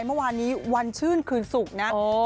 เมื่อวานนี้วันชื่นคืนศุกร์นะ